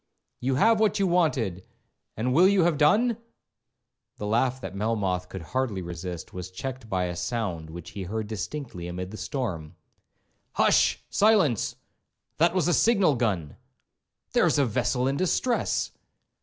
—You have what you wanted, and will you have done?' The laugh that Melmoth could hardly resist, was checked by a sound which he heard distinctly amid the storm. 'Hush—silence! that was a signal gun!—there is a vessel in distress.'